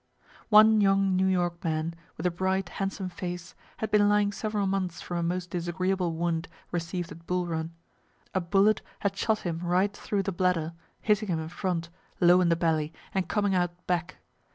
One young New York man, with a bright, handsome face, had been lying several months from a most disagreeable wound, receiv'd at Bull Run. A bullet had shot him right through the bladder, hitting him front, low in the belly, and coming out back.